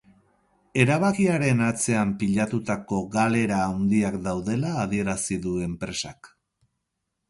Erabakiaren atzean pilatutako galera handiak daudela adierazi du enpresak.